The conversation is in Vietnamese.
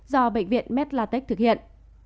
do bệnh viện medlatech thực hiện